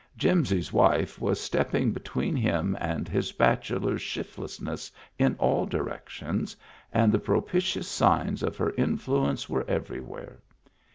Jimsy's wife was stepping between him and his bachelor shiftlessness in all directions, and the propitious signs of her influence were everywhere.